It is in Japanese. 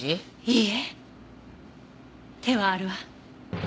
いいえ手はあるわ。